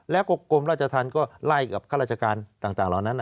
แล้วก็กรมราชธรรมก็ไล่กับข้าราชการต่างเหล่านั้น